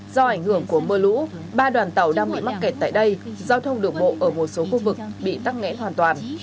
do ảnh hưởng của mưa lũ ba đoàn tàu đang bị mắc kẹt tại đây giao thông đường bộ ở một số khu vực bị tắt nghẽn hoàn toàn